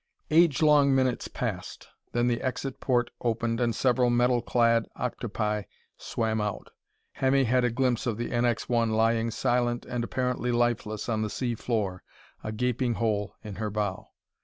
Age long minutes passed. Then the exit port opened and several metal clad octopi swam out. Hemmy had a glimpse of the NX 1 lying silent and apparently lifeless on the sea floor, a gaping hole in her bow!